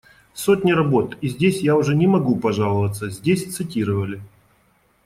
Сотни работ, и здесь я уже не могу пожаловаться, здесь цитировали.